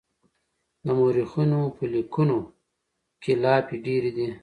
د مورخينو په ليکنو کې لافې ډېرې دي.